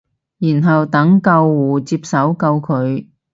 然後等救護接手救佢